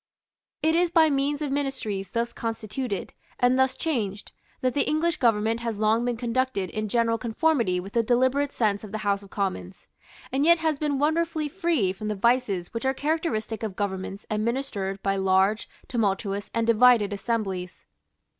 It is by means of Ministries thus constituted, and thus changed, that the English government has long been conducted in general conformity with the deliberate sense of the House of Commons, and yet has been wonderfully free from the vices which are characteristic of governments administered by large, tumultuous and divided assemblies.